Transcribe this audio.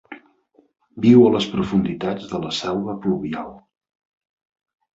Viu a les profunditats de la selva pluvial.